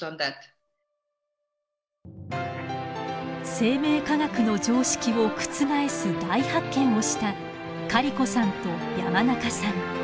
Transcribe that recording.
生命科学の常識を覆す大発見をしたカリコさんと山中さん。